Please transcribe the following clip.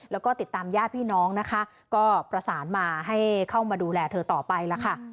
แล้วก็ติดตามญาติพี่น้องนะคะก็ประสานมาให้เข้ามาดูแลเธอต่อไปแล้วค่ะ